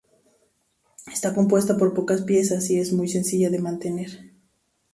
Está compuesta por pocas piezas y es muy sencilla de mantener.